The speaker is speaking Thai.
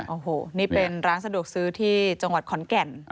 โอ้โหนี่เป็นร้านสะดวกซื้อที่จังหวัดขอนแก่น